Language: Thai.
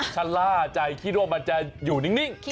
ชะล่าใจคิดว่ามันจะอยู่นิ่ง